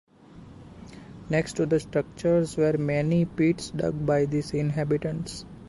Next to the structures were many pits dug by these inhabitants.